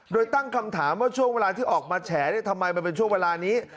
โดยตั้งคำถามว่าช่วงเวลาที่ออกมาแฉทำไมมันเป็นช่วงเวลานี้